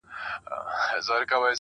اوس مي له هري لاري پښه ماته ده.